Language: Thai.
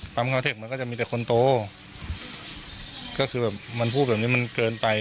คอนเทคมันก็จะมีแต่คนโตก็คือแบบมันพูดแบบนี้มันเกินไป